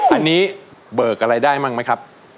อันนี้เบิกอะไรได้บ้างไหมครับ